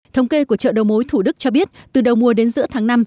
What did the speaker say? thống kê của chợ đầu mối thủ đức cho biết từ đầu mùa đến giữa tháng năm